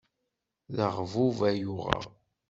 D aɣbub ay uɣeɣ.